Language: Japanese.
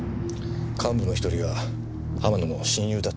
幹部の１人が浜野の親友だったんです。